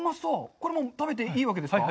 これ、もう食べていいわけですか？